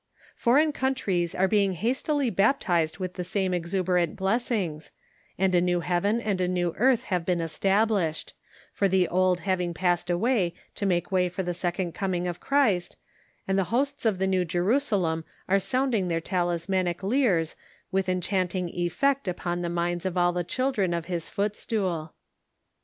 Foreign countries are being hastily baptized with the same exuberant blessings, and a new heaven and a new earth have been established, for the old having passed away to make way for the second coming of Christ, and the hosts of the New Jerusalem are sounding their talismanic lyres with enchanting effect upon the minds of all the chil dren of His footstool